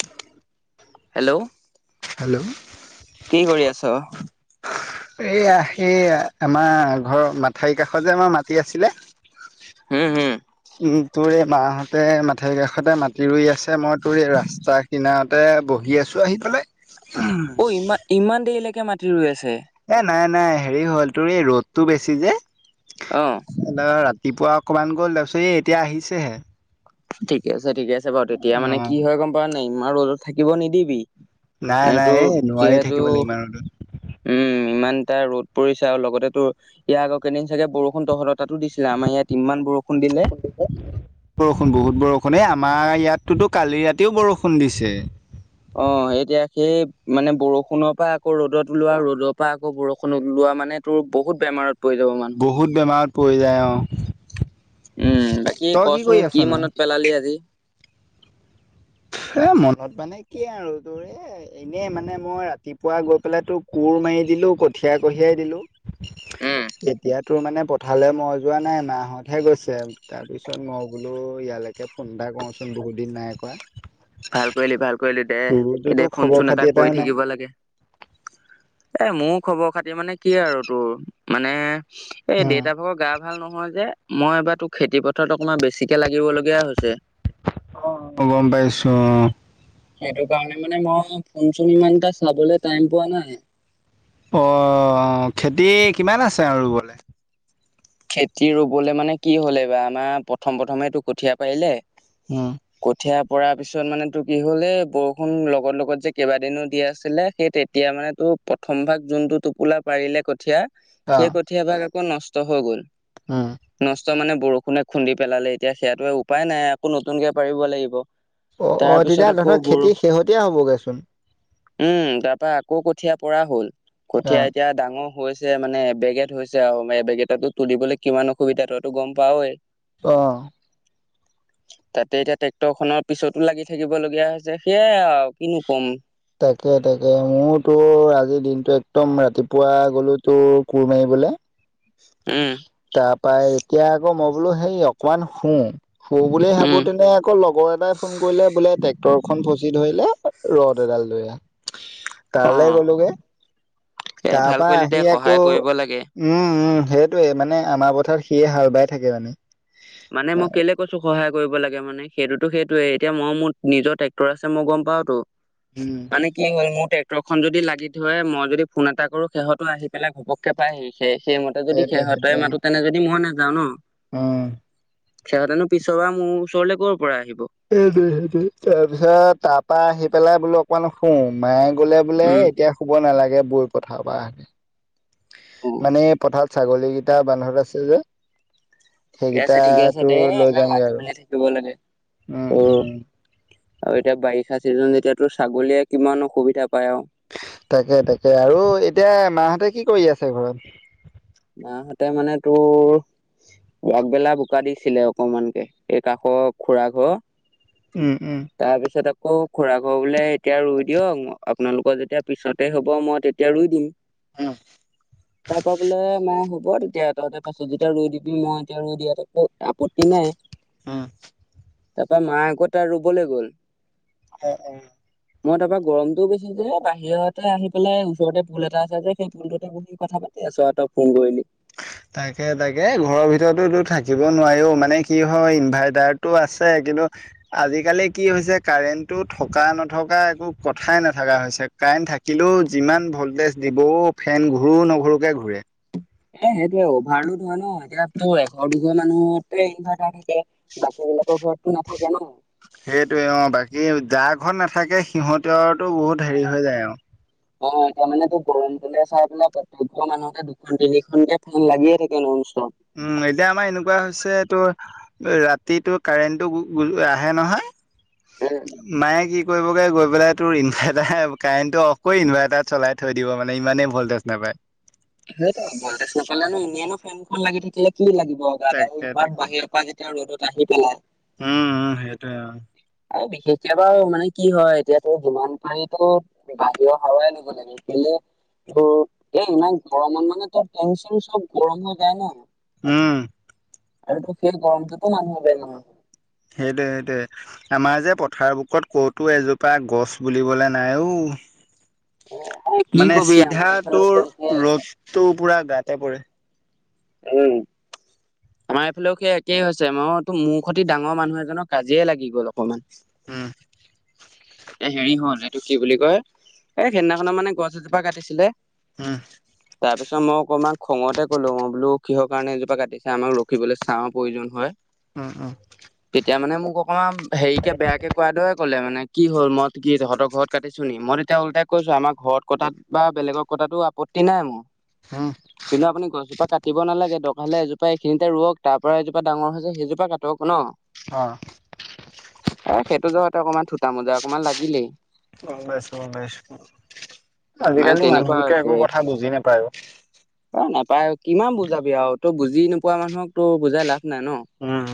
[inaudible] Hello. Hello কি কৰি আছ? এইয়া এইয়া আমা ঘৰ মাথাই কাষত যে আমা মাটি আছিলে [unintelligible] উম, তোৰ এই মাহঁতে মাথাৰি কাষতে মাটি ৰুঁই আছে, মই তোৰ এই ৰাস্তা কিনাৰতে বহ দি আছোঁ আহি পেলাই। অ', ইমা ইমান দেৰিলেকে মাতি ৰুঁই আছে। এ' নাই নাই হেৰি হ'ল তোৰ এই ৰ'দটো বেছি যে। অ। [unintelligible] ৰাতিপুৱা অকমান গ'ল তাৰপিছত এ' এতিয়া আহিছেহে। ঠিকে আছে ঠিকে আছে বাৰু তেতিয়া অ মানে কি হয় গম পাৱ নে? ইমান ৰ'দত থাকিব নিদিবি। নাই নাই মানেটো এই নোৱাৰি যিহেতু থাকিব লাগিব ইমান ৰ'দত উম, ইমানটা ৰ'দ পৰিছে আৰু লগতে তো ইয়াৰ আগৰ কেইদিন চাগে বৰষুণ তহঁত তাতোঁ দিছিলে আমাৰ ইয়াত ইমান বৰষুণ দিলে। মা', ইয়াত তোতো কালি ৰাতিওঁ বৰষুণ দিছে। অ', এতিয়া সেই মানে বৰষুণ পা আকৌ ৰ'দত ওলোৱাঁ, ৰ'দ পা আকৌ বৰষুণত ওলোৱাঁ বা মানে তোৰ বহুত বেমাৰত পৰি যাব মানুহ। বহুত বেমাৰত পৰি যায় অ'। উম, বাকী তই কচোন কৰি কি আছনো মনত পেলালি আজি। এ মনত মানে কি আৰু তোৰ এ এনে মানে মই ৰাতিপুৱা গৈ পেলাই তোৰ কোৰ ম দিলো কঠিয়াই কঢ়িয়াই উম। দিলো। এতিয়াতো মানে পথাৰলৈ মই যোৱা নাই মাহতহে গৈছে তাৰ পিছত মই বোলো ই এয়ালৈকে ফুটা কচোন বহুতিন নাই কৰা। ভাল কৰিলি ভাল কৰিলি দে এ তোৰোতো দে ফোন খবৰ চোন খাতি এটা এটাও কৰি নাই থাকিব লাগে। এ মোৰ খবৰ খাতি মানে কি আৰু তোৰ মানে এ উম, দেউতা ভাগৰ গা ভাল নহয় যে। মই এইবাৰ তো খেতি পথাৰ অকণমান বেছিকে লাগিবলগীয়া হৈছে। অ, গম পাইছো। সেইটো কাৰণে মানে মই ফোনচোন ইমানক চাবলৈ টাইম পোৱা নাই। আহ খেতি কিমান আছে আৰু ৰুবুলে? খেতি ৰৰুবলৈ মানে কি হ'লে এই বা আমাৰ প্ৰথম প্ৰথমে তটো কঠীয়া পাৰিলে। উম, কঠীয়া পৰা পিছত মানে তোৰ কি হ'লে এই বৰষুণ লগত লগত যে কেইবাদিনো দি আছিলে সেই তেতিয়া মানে তোৰ প্ৰথম ভাগ যোনটো টোপোলা পাৰিলে কঠিয় অ সেই কঠীয়া ভাগ আকৌ নষ্ট হৈ গ'ল। উম, ব মানে বৰষুণে খুন্দি পেলালে এতিয়া সেইয়াটোৱে উপায় নাই আকৌ নতুনকে পাৰিব লাগিব। অ, অ, তাৰ পিছত তেতিয়া আকৌ ধৰক বৰষ খেতি শেহতীয়া হবগৈচোন। উম, তাৰ পৰা আকৌ কঠীয়া পৰা হল অ কঠীয়া এতিয়া ডাঙৰ হৈছে মানে বেগ এত হৈছে আৰু বেগ এটা তুলিবলৈ কিমান অসুবিধা তইতটো গম পাৱৱেই। আহ। তাতে এতিয়া ট্ৰেক্টৰ খনৰ পিছতো লাগি থাকিব লগগীয়া হৈছে সেয়াই আৰু কিনো কম। তাকে তাকে মোৰ তোৰ আজিৰ দিনটো একদম ৰাতিপুৱা গ'লো তোৰ কোৰ মাৰিবলৈ। উম তাৰ পৰাৰা এতিয়া আকৌ মই বোলো সেই অকমান শুওঁ। শু বুলি উম ভাবোতেনে আকৌ লগৰ এটাই ফোন কৰিলে বোলে ট্ৰেক্টৰ খন ফচি ধৰিলে। ৰ'দ এডাল লৈ আহ অ তালৈ গ'লোগে। এ তাৰ ভাল পৰা কৰিলি দে আহি আকৌ সহায় কৰিব লাগে উম, উ, সেইটোৱে মানে আমাৰ পথাৰ সিয়ে হাল বাই থাকে মানে। মানে মই কেলে কৈছো সহায় কৰিব লাগে মানে সেইটোতো সেইটোয়ে এতিয়া মই মোৰ নিজৰ ট্ৰেক্টৰ আছে মই গম পাওতো। উম মান কি ম ট্ৰেক্টৰ খন যদি লাগি থয় মই যদি ফোন এটা কৰো সিহতো আহি পেলাই ঘপককে পাই আহি সেইমতে যদি সেইটোৱে শেহঁত সেইটোৱে মাতো তেনে যদি মই নাযাওঁ ন' উম, খৰতেনো পিছ বা মোৰ চৰিল ক এইটো সেই তাৰপিছত তাৰপা আহি পেলাই বোলো অকমান শুও মায়ে গলে বোলে উম এতিয়া শুব নালাগে বুৰ কথা বা অ মানে পথাৰ ছাগলীকেইটা বান্ধত আছে যে ঠিকে আছে ঠিকে আছে সেইকেইটাটো দে লৈ এইবিলাক যামগে লাগি আৰু। মেলি থাকিব লাগে উম, ত' উম, আৰু এতিয়া বাৰিষা চিজন যেতিয়াতো ছাগলীয়ে কিমান অসুবিধা পায় আৰু তাকে তাকে আৰু এতিয়া মাহঁতে কি কৰি আছে ঘৰত? মাহঁতে মানে তোৰ বাগবেলা বোকা দিছিলে অকমান কে এই কাষৰ খুৰা ঘৰ উম, উম, তাৰ পিছত আকৌ খুৰা ঘৰ বোলে এতিয়া ৰুই দিয়ক আপোনালোকৰ যেতিয়া পিছতে হ'ব মই তেতিয়া ৰুই দিম। তাৰ পৰা বোলে অ, হ'ব তেতিয়া তহঁতে পাছত যেতিয়া ই দিবি মই এতিয়া ই দিয়াতো একো আপত্তি নাই। উম। তাৰপা মায় আকৌ তাৰ ৰুবলৈ গ'ল। অ', উম। মই তাৰপৰা গৰমতটোও বেছি যে বাহিৰতে আহি পেলাই ওচৰতে পুল এটা আছে যে সেই ফুলটোতে বহি কথা পাতা [unintelligible] [inaudible] তাকে তাকে ঘৰৰ ভিতৰতো থাকিব নোৱাৰিও মানে কি হয় ইনভাৰ্টাৰতটো আছে কিন্তু আজিকালি কি হৈছে কাৰেণ্টটো থকা নথকা একো কথাই নথকা হৈছে কাৰেণ্ট থাকিলেও যিমান ভল্টেজ দিব ফেন ঘূৰো নঘুৰোকে ঘূৰে। এ সেইটো অভাৰলোড হোৱা ন এতিয়া তো এঘৰ দুঘৰ মানুহতে ইনভাৰ্টাৰ বাকী বিলাকৰ ঘৰতো নাথাকে ন। সেইটোৱে অ বাকী যা ঘৰত নাথাকে সিহঁতোৰ বহুত হেৰি হৈ যায় আৰু অ', এতিয়া মানে তো গৰম তলে চাই পেলাই প্ৰত্যেক মানুহতে দুখন তিনিখনকে ফেন লাগিয়ে থাকে ননষ্টপ উম এতিয়া আমাৰ এনেকুৱা হৈছে তো ৰাতিতটো কাৰেণ্টটো আহে ষ্টপ নহয় মায়ে কি কৰিব গৈ পেলাই তোৰ ইনভাৰ্টাৰ কাৰেণ্টটো অফক কৰি ইনভাৰ্টাৰ চলাই থৈ দিব মানে ইমানেই ভল্টেজ নাপায়। [unintelligible] সেইটো ভল্টেজ নাপালে নো এনো ফেনখন লাগি থাকিলে কি লাগিব গাত আৰু তাকে ইমান তাকে। বাহিৰৰ পৰা যেতিয়া ৰ'দত আহি পেলাই উম সেইটো অ'। কেতিয়াবা মানে কি হয় এতিয়াতো যিমান পাৰিতো বাহিৰৰ হাৱাই লব লাগে কেলে ত' এ ইমান গৰমত মানে ত' ফেনচুইচ চব গৰম হৈ যায় ন। উম। আৰু তো সে গৰমটোতো মানুহ ন সেইটোয়ে সেইটোয়ে আমাৰ যে পথাৰ বুকত ক'তো এজোপা গছ বুলিবলে নাই ও। হয় [inaudible] কি মানে কবি আমাৰ এইফালেও চিধাটোৰ সেই একেই ৰ'দটো পুৰা গাতে পৰে। উম। আমাৰ এইফালেও সেই একেই হৈছে মই ত মূৰ সতি ডাঙৰ মানুহ এজনৰ কাজিয়ে লাগি গ'ল। [unintelligible] উম, এ হেৰি হ'ল এইটো কি বুলি কয় এই সেইদিনাখন মানে গছ এজোপা কাটিছিলে উম, তাৰ পিছত মই অকমান খঙতে কলো মই বোলো কিহৰ কাৰণে এজোপা কাটিছে আমাক ৰখিবলৈ চাৰ প্ৰয়োজন হয়। উম, উম। [unintelligible] অকণমান হেৰিকে বেয়া কে কোৱাৰ দৰে ক'লে মানে কি হল মই কি তহঁতৰ ঘৰত কাটিছো নি মই তেতিয়া ওলটাই কৈছো আমাৰ ঘৰত কটাত বা বেলেগৰ কটাতো আপত্তি নাই মোৰ উম, কিন্তু আপুনি গছজোপা কাটি কাটিব নালাগে দৰকাৰ হলে এজোপা এইখিনিতে ৰোৱক তাৰ পৰা এজোপা ডাঙৰ হৈছে সেইজোপা কাটক। ন অ', এ সেইটো জহতে অকমান থোটা মোজা অকমান লাগিলেই গম পাইছোঁ গম পাইছোঁ। মানে আজিকালি তেনেকুৱা মানুহবোৰে হৈছে একো কথা বুজি নাপায় ও। পাই কিমান বুজাবি আৰু তই বুজি নোপোৱা মানুহক তো বুজাই লাভ নাই ন। উম,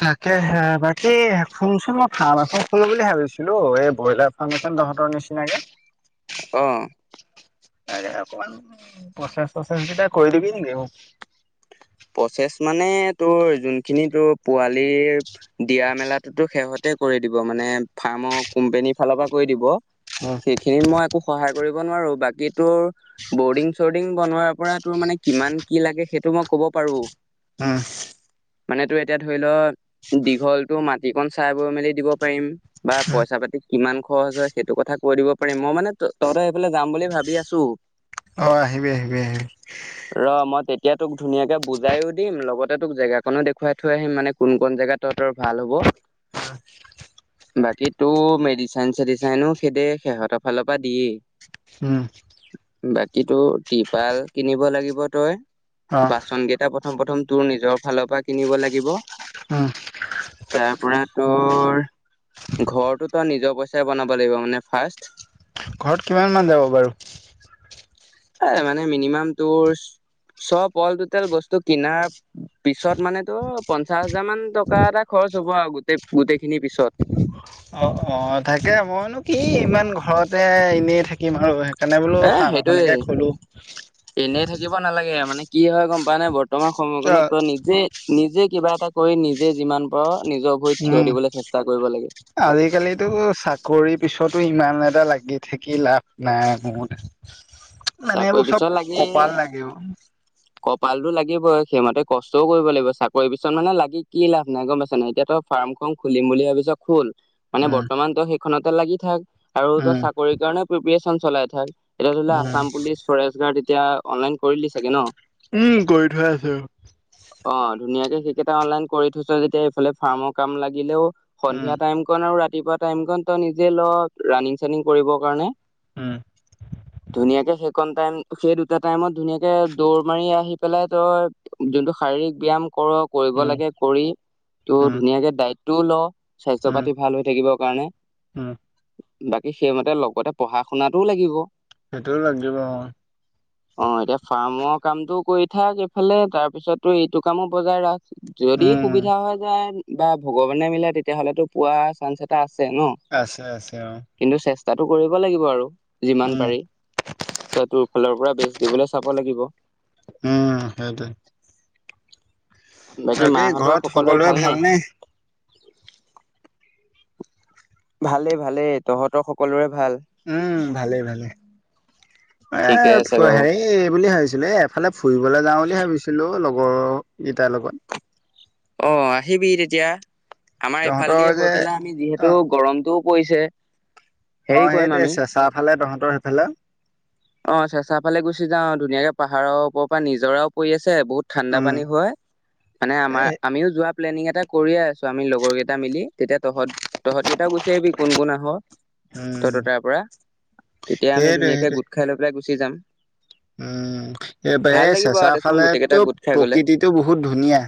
তাকে হে বাকী শুনচোন মই ফাৰ্ম এখন খোলো বুলি ভাবিছিলো এই ব্ৰইলাৰ ফাৰ্ম এখন তহঁতৰ নিচিনাকে অ',। আ অকমান প্ৰচেছ চছেছ কেইটা কৰি দিবি নেকি। প্ৰচেছ মানে তোৰ যোনখিনি তোৰ পোৱালি দিয়া মেলাতো সিহঁতে কৰি দিব মানে ফাৰ্মৰ কোম্পানী ফালৰ পৰা কৰি দিব উম, সেইখিনিত মই একো সহায় কৰিব নোৱাৰো বাকী তোৰ বৰ্ডিং চৰ্ডিং বনোৱাৰ পৰা তোৰ মানে কিমান কি লাগে সেইটো মই ক'ব পাৰো। অহ। মানে তো এতিয়া ধৰি ল দীঘলতটো মাটি কন চাই বৈ মেলি দিব পাৰিম। বা পইচা পাতি। কিমান খৰচ হৈছে, সেইটো কথা কৈ দিব পাৰিম। মই মানে তহঁতৰ সেইফালে যাম বুলি ভাবি আছোঁ। অ' আহিবি আহিবি আহিবি। ৰ মই তেতিয়া তোক ধুনীয়াকে বুজাইও দিম, লগতে তোক জেগাকনো দেখুৱাই থৈ আহিম। মানে কোন কন জেগাত তহঁতৰ ভাল হ'ব। অ বাকী তো মেডিচাইন চেডিচাইনো সেয়ে সিহঁতৰ ফালৰ পৰা দিয়েই। উম্। বাকীতো ত্ৰিপাল কিনিব লাগিব তই, অ', বাচন কেইটা প প্ৰথম প্ৰথম তোৰ নিজৰ ফালৰ পৰা কিনিব লাগিব। অ'। তাৰ পৰা তোৰ ঘৰটো তই নিজৰ পইচাই বনাব লাগিব মানে ফাৰ্ষ্ট। ঘৰত কিমানমান যাব বাৰু? এ মানে মিনিমাম তোৰ। চব অল টোটেল বস্তু কিনাৰ পিছত মানে তোৰ পঞ্চাশ হাজাৰ মান টকা এটা খৰচ খৰচ হ'ব আৰু গোটেই, গোটেই খিনি পিছত। অ' অ', তাকে মইনো কি ইমান ঘৰতে এনেই থাকিম আৰু সেইকাৰণে বোলো, এ ফাৰ্ম সেইটোয়ে এখনকে খোলো। এনেই থাকিব নালাগে, মানে কি হয় গম পাৱনে, বৰ্তমান সময়কনত তই নিজে নিজে কিবা এটা কৰি, নিজে যিমান পাৰ নিজৰ ভৰিত থিয় উম্, দিবলৈ চেষ্টা কৰিব লাগে আজিকালিতো চাকৰি পিছতো ইমান ইমান এটা লাগি থাকি লাভ নাই মোৰ মতে। মানে চাকৰি এইবোৰ চব কপাল লাগে অ'। কপালটো লাগিবই, সেইমতে কষ্টও কৰিব লাগিব। চাকৰি পিছত মানে লাগি কি লাভ নাই গম পাইছা নাই, এতিয়াতো ফাৰ্মখন খুলিম বুলি ভাবিছ খোল মানে উম। বৰ্তমান তই সেইখনতে লাগি থাক আৰু উম, চাকৰিৰ কাৰণেও প্ৰিপেৰেচন চলাই থাক। এতিয়া ধৰি ল' উম, আচাম পুলিচ, ফৰেষ্ট গাৰ্ড, এতিয়া অনলাইন কৰিল চাগে ন। উম্, কৰি থোৱা আছো। অ', ধুনীয়াকে সেইকেইটা অনলাইন কৰি থৈছ যেতিয়া, এইফালে ফাৰ্মৰ কাম লাগিলেও। সন্ধিয়া উম, টাইম ক আৰু ৰাতিপুৱা টাইম ক তই নিজে ল, ৰানিং চানিং কৰিব কাৰণে। উম, ধুনীয়াকে সেইকন টাইম, সেই দুটা টাইমত ধুনীয়াকে দৌৰ মাৰি আহি পেলাই, তই যোনটো শাৰীৰিক ব্যায়াম কৰো, কৰিব উম, লাগে কৰি ত উম, ধুনীয়াকে দায়িত্বও ল স্বাস্থ্য উম, পাতি ভাল হৈ থাকিবৰ কাৰণে। উম, বাকী সেইমতে লগতে পঢ়া শুনাটোও লাগিব। সেইটোও লাগিব অ'। অ', এতিয়া ফাৰ্মৰ কামটোও কৰি থাক, এইফালে তাৰ পিছতো এইটো কামো বজাই ৰাখ। যদি উম, সুবিধা হৈ যায় বা ভগৱানে মিলাই, তেতিয়াহ'লেতো পোৱা চাছ্ৰ আছে ন? আছে, আছে অ', কিন্তু চেষ্টাটো কৰিব লাগিব আৰু যিমান উম, পাৰি, তই তোৰ ফালৰ পৰা বেচ দিবলৈ চাব লাগিব। উম্, সেইটোৱেই। বাকী মাহঁতৰ সকলোৱে ভালনে? ভালেই ভালেই তহঁতৰ সকলোৰে। ভাল উম্ ভালেই ভালেই। এ ঠিকে আছে বাৰু হেৰি, এই বুলি ভাবিছিলোঁ, এফালে ফুৰিবলৈ যাওঁ বুলি ভাবিছিলো লগত। ঘৰকেইটাৰ লগত। অ'আহিবি তেতিয়া আমাৰ ইফাল তহঁতৰ দিয়ে যে গৈ পেলাই আমি যিহেতু অ', গৰমটো পৰিছে। হেৰি অ' কৰিম সেইটোৱে, আমি চেঁচা ফালে তহঁতৰ সেইফালে অ' চেঁচা ফালে গুচি যাওঁ, ধুনীয়াকৈ পাহাৰৰ ওপৰ পৰা নিজৰাও পৰি আছে। বহুত ঠাণ্ডা উম, পানী হয় মানে আমাৰ এ আমিও যোৱা প্লেনিং এটা কৰিয়ে আছোঁ আমি লগৰ কেইটা মিলি। তেতিয়া তহঁত তহঁত কেইটাও গুচি আহিবি কোন কোন আহ। উম, তততাৰ পৰা তেতিয়া সেইটোৱে, আমি সেইটোৱে। ধুনীয়াকে গোট খাই লৈ পেলাই গুচি যাম। উম। এইব ভাল লাগিব আৰু চেঁচাৰ দেচোন ফালে গোটেই কেইটা টোপ গোট খাই গলে প্ৰকৃতিটো বহুত ধুনীয়া।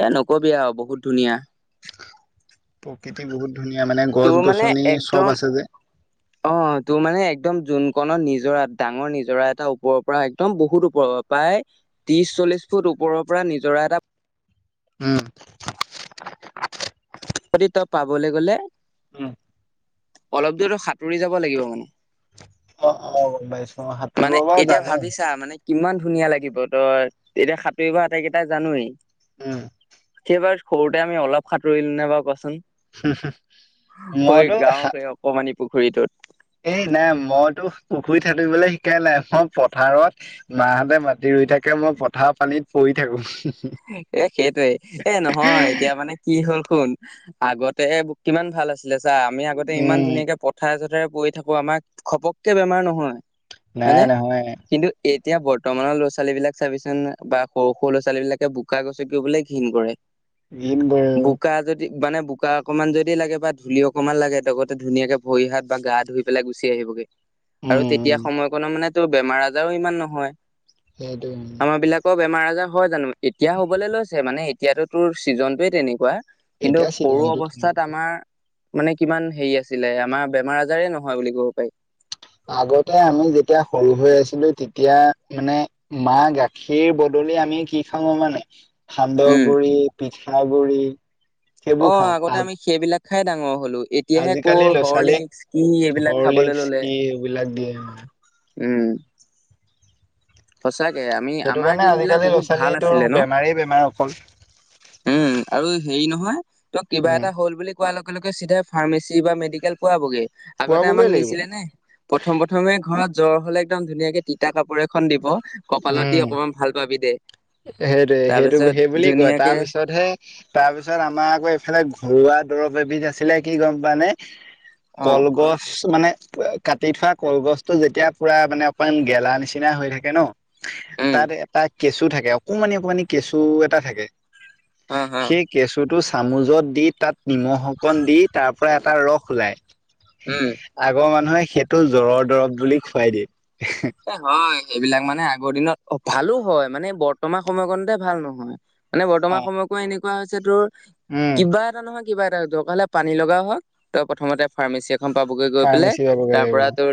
এ, নকবি আৰু বহুত ধুনীয়া। প্ৰকৃতি বহুত ধুনীয়া মানে গছ তোৰ মানে গছনি চব একদম আছে যে। অ' তোৰ মানে একদম যোন কণত নিজৰা ডাঙৰ নিজৰা এটা ওপৰৰ পৰা একদম বহুত ওপৰৰ পৰা পায়। ত্ৰিশ চল্লিশ ফুট ওপৰৰ পৰা নিজৰা এটা উম। যদি তই পাবলৈ গ'লে। উম। অলপ দূৰতো সাঁতুৰি যাব লাগিব মানে। অ', অ', গম পাইছো সাতুঁৰিব মানে মই এতিয়া জানো। ভাবিছা মানে কিমান ধুনীয়া লাগিব তই এতিয়া সাঁতুৰিব আটাইকেইটাই জানোৱেই। উম। এইবাৰ সৰুতে আমি অলপ সাঁতুৰিলো নে বাৰু কোৱাচোন। হয়, মইতো গাওঁৰ সেই অকমানি পুখুৰীটোত। এই নাই মইতো পুখুৰীত সাঁতুৰিবলৈ শিকাই নাই মই পথাৰত মাহঁতে মাতি ৰুই থাকে মই পথাৰ পানীত পৰি থাকো। এ, সেইটোৱে এ, নহয় এতিয়া মানে কি হ'ল শুন আগতে কিমান ভাল আছিলে চা আমি আগতে ইমান উম, ধুনীয়াকে পথৰে চথা পৰি থাকো আমাক খপককে বেমাৰ নহয় নাই হয়নে? নহয়। কিন্তু এতিয়া বৰ্তমানৰ ল'ৰা ছোৱালী বিলাক চাবিচোন বা সৰু সৰু ল'ৰা ছোৱালী বিলাকে বোকা গচকি বোলে ঘিণ কৰে। ঘীণ কৰে। বোকা যদি মানে বোকা অকমান যদি লাগে বা ধূলি অকনমান লাগে লগতে ধুনীয়াকে ভৰি হাত বা গা ধুই পেলাই গুচি আহিবগে। আৰু তেতিয়া উম, সময়কণো মানে তো বেমাৰ আজাৰো ইমান নহয়। সেইটো আমাৰ বিলাকৰ বেমাৰ আজাৰ হয় জানো? এতিয়া হ'বলৈ লৈছে মানে এতিয়াতো তোৰ ছিজনটোয়ে তেনেকুৱা। কিন্তু এতিয়া সৰু চিলনীটো অৱস্থাত আমাৰ মানে কিমান হেৰি আছিলে আমাৰ বেমাৰ আজাৰে নহয় বুলি ক'ব পাৰি। এতিয়া মানে মাহ গাখীৰ বদলি আমি কি খাওঁ মানে সান্দহ উম গুৰি পিঠা গুৰি অ', আগতে আমি সেইবিলাক খাই ডাঙৰ হ'লো এতিয়াহে আজিকালি কৰ ল'ৰা ছোৱালীক হৰলিক্স কি এইবিলাক খাবলৈ হৰলিক্স ল'লে। কি এইবিলাক দিয়ে অ। উম। চাকে আমি সেইটো আমাৰ কাৰণে দিন বিলাক আজিকালি ল'ৰা বহুত ভাল ছোৱালীটোৰ আছিলে ন? বেমাৰেই বেমাৰ অকল উম। আৰু হেৰি নহয় ত কিবা উম এটা হ'ল বুলি কোৱাৰ লগে লগে চিধাই ফাৰ্মাচি বা মেডিকেল পোৱাবগে। আগতে আমাক খোৱাবগৈ লাগিব নিছিলে নে প্ৰথম প্ৰথমে ঘৰত জ্বৰ হলে একদম ধুনীয়াকে তিতা কাপোৰে খন দিব কপালত দি অকমান ভাল পাবি দে। সেইটো সেইটো তাৰপিছত সেইবুলি কয় তাৰ ধুনীয়াকে পিছতহে তাৰপিছত আমাৰ আকৌ এইফালে ঘৰুৱা দৰৱ এবিধ আছিলে কি গম পানে অ কলগছ মানে কাটি থোৱা কলগছটো যেতিয়া পুৰা মানে অকমান গেলা নিচিনা হৈ থাকে ন'। উম তাত এটা কেঁচু থাকে অকমানি অকমানি কেঁচু এটা থাকে। অ অ সেই কেঁচুটো চামুজত দি তাত নিমখ অকণ দি তাৰ পৰা এটা ৰস ওলায়। উম আগৰ মানুহে সেইটো জ‌্বৰ‌ৰ দৰৱ বুলি খোৱাই দিয়ে। এ হয় এইবিলাক মানে আগৰ দিনত ভালো হয় মানে বৰ্তমান সময়কণতে ভাল নহয়। মানে বৰ্তমান সময়কো এনেকুৱা হৈছে তোৰ উম কিবা এটা নহয় কিবা এটা তক হলে পানী লগা হওক তই প্ৰথমতে ফাৰ্মাচী এখন পাবগৈ গৈ পেলাই ফাৰ্মাচী যাবগৈ তাৰ লাগিব পৰা তোৰ